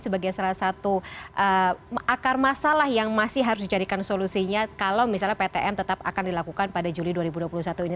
sebagai salah satu akar masalah yang masih harus dijadikan solusinya kalau misalnya ptm tetap akan dilakukan pada juli dua ribu dua puluh satu ini